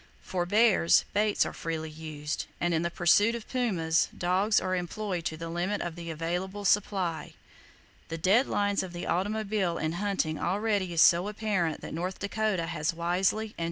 For bears, baits are freely used, and in the pursuit of pumas, dogs are employed to the limit of the available supply. The deadliness of the automobile in hunting already is so apparent that North Dakota has wisely and justly forbidden their use by law, (1911).